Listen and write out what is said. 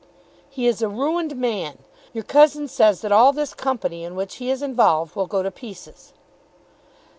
"He is a ruined man. Your cousin says that all this Company in which he is involved will go to pieces."